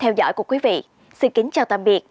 hẹn gặp lại quý vị trong chuyên mục này vào tuần sau